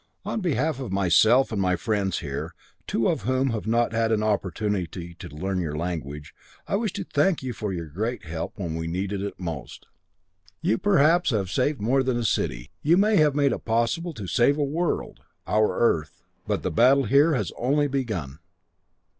"On behalf of myself and my friends here, two of whom have not had an opportunity to learn your language, I wish to thank you for your great help when we most needed it. You, perhaps, have saved more than a city you may have made it possible to save a world our Earth. But the battle here has only begun.